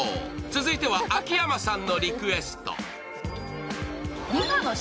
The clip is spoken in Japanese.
続いては秋山さんのリクエスト。